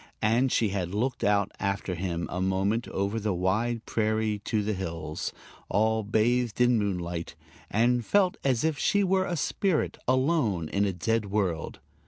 And she had looked out after him a moment over the wide prairie to the hills, all bathed in moonlight, and felt as if she were a spirit alone in a dead world.